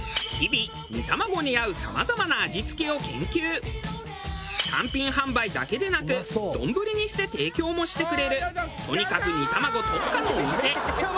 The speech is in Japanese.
日々単品販売だけでなく丼にして提供もしてくれるとにかく煮卵特化の店。